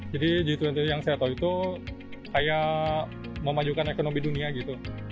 jadi g dua puluh yang saya tau itu kayak memajukan ekonomi dunia gitu